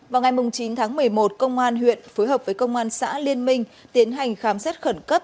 vào ngày chín tháng một mươi một công an huyện phối hợp với công an xã liên minh tiến hành khám xét khẩn cấp